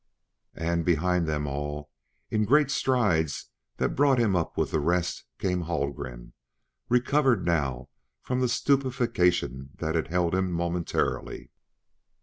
And, behind them all, in great strides that brought him up with the rest, came Haldgren, recovered now from the stupefaction that had held him momentarily.